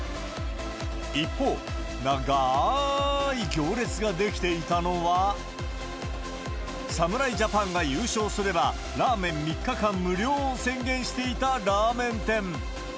一方、長ーい行列が出来ていたのは、侍ジャパンが優勝すれば、ラーメン３日間無料を宣言していたラーメン店。